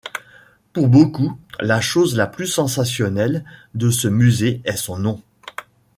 Pour beaucoup, la chose la plus sensationnelle de ce musée est son nom.